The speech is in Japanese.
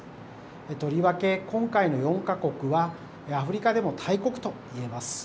とりわけ今回の４か国は、アフリカでも大国といえます。